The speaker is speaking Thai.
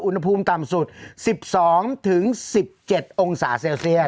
อุณหภูมิต่ำสุดสิบสองถึงสิบเจ็ดองสาเซลเซียส